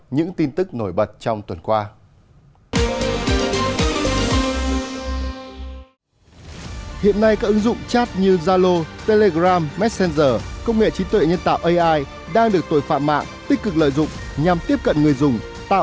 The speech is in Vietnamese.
những tin tức nổi bật trong tuần qua